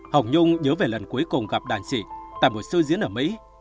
hồng nhung nhớ về lần cuối cùng gặp đàn sĩ tại một sư diễn ở mỹ